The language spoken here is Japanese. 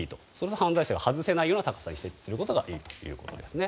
犯罪者が外せない高さに設置するのがいいということです。